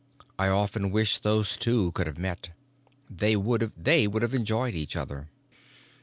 I often wish those two could have met. They would have enjoyed each other.